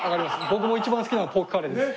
僕も一番好きなのはポークカレーです。